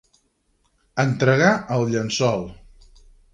Entregar el llençol.